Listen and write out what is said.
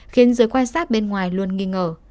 khiến giới quan sát bên ngoài luôn nghi ngờ